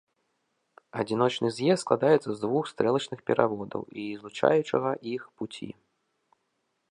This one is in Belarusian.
Адзіночны з'езд складаецца з двух стрэлачных пераводаў і злучаючага іх пуці.